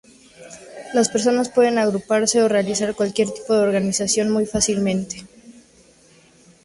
Las personas pueden agruparse o realizar cualquier tipo de organización muy fácilmente.